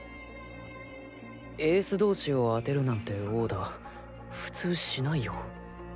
エース同士を当てるなんてオーダー普通しないよ。